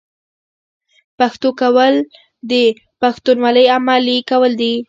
پښتو کول د پښتونولۍ عملي کول دي.